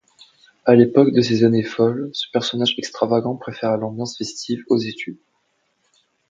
À l'époque de ces années folles, ce personnage extravagant préféra l'ambiance festive aux études.